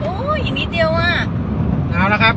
เก็บไว้เป็นหลักฐานนะครับ